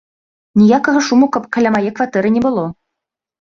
Ніякага шуму каб каля мае кватэры не было.